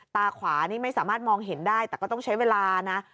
ตาขวานี่ไม่สามารถมองเห็นได้แต่ก็ต้องใช้เวลานะ